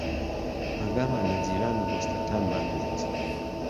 ئاگامان لە جیران و دۆستەکانمان بێت